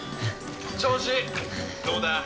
「調子どうだ？」